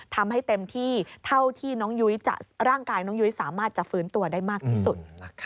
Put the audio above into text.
ทำให้เต็มที่เท่าที่น้องยุ้ยร่างกายน้องยุ้ยสามารถจะฟื้นตัวได้มากที่สุด